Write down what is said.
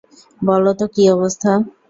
বলো তো কী অবস্থা!